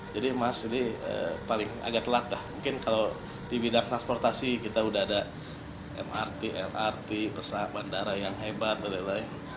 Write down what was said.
jadi mas jadi agak telat lah mungkin kalau di bidang transportasi kita sudah ada mrt lrt pesawat bandara yang hebat dan lain lain